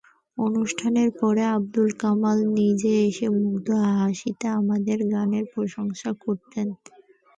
অনুষ্ঠানের পরে আবদুল কালাম নিজে এসে মুগ্ধ হাসিতে আমাদের গানের প্রশংসা করতেন।